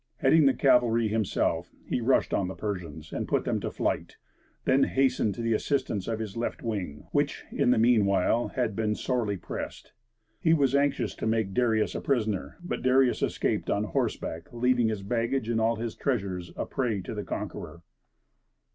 Heading the cavalry himself, he rushed on the Persians, and put them to flight; then hastened to the assistance of his left wing, which, in the meanwhile, had been sorely pressed. He was anxious to make Darius a prisoner, but Darius escaped on horseback, leaving his baggage and all his treasures a prey to the conqueror.